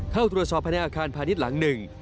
เข้าตรวจสอบภายในอาคารพาณิชย์หลังหนึ่ง